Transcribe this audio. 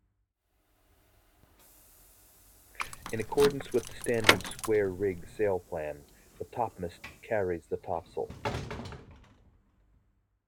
In accordance with the standard square rig sail plan, the topmast carries the topsail.